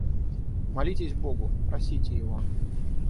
Молитесь Богу, просите Его.